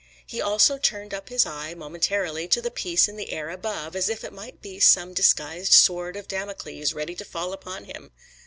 He also turned up his eye, momentarily, to the piece in the air above, as if it might be some disguised sword of Damocles ready to fall upon him.